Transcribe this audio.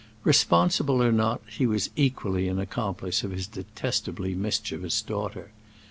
Responsible or not, he was equally an accomplice of his detestably mischievous daughter.